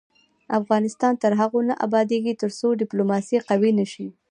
افغانستان تر هغو نه ابادیږي، ترڅو ډیپلوماسي قوي نشي.